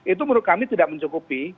itu menurut kami tidak mencukupi